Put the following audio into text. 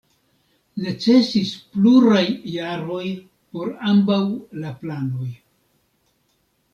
Necesis pluraj jaroj por ambaŭ la planoj.